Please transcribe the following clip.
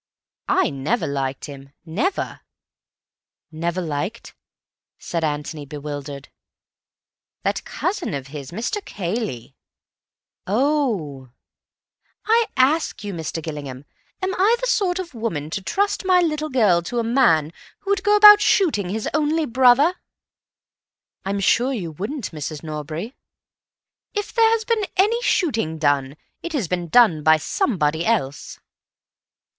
"I never liked him, never!" "Never liked——?" said Antony, bewildered. "That cousin of his—Mr. Cayley." "Oh!" "I ask you, Mr. Gillingham, am I the sort of woman to trust my little girl to a man who would go about shooting his only brother?" "I'm sure you wouldn't, Mrs. Norbury." "If there has been any shooting done, it has been done by somebody else."